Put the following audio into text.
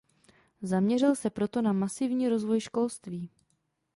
Zaměřil se proto na masivní rozvoj školství.